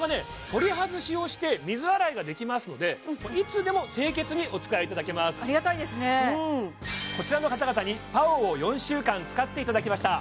取り外しをして水洗いができますのでいつでも清潔にお使いいただけますありがたいですねこちらの方々にＰＡＯを４週間使っていただきました